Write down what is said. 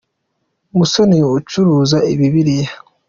Musoni ucuruza bibiliya